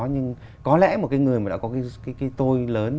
nhưng có lẽ một cái người mà đã có cái tôi lớn